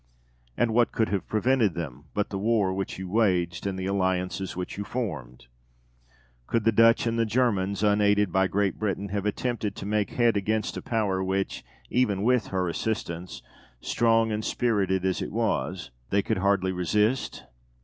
And what could have prevented them, but the war which you waged and the alliances which you formed? Could the Dutch and the Germans, unaided by Great Britain, have attempted to make head against a Power which, even with her assistance, strong and spirited as it was, they could hardly resist?